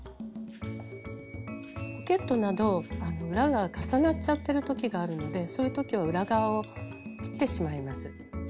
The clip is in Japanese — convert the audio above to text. ポケットなど裏が重なっちゃってる時があるのでそういう時は裏側を切ってしまいます。